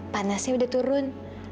panasnya udah turun